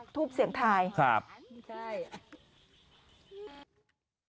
ถูบเสียงทายเหรอ